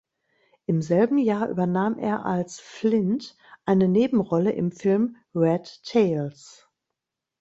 Im selben Jahr übernahm er als "Flynt" eine Nebenrolle im Film "Red Tails".